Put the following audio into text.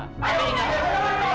tapi ingat tetap tenang ya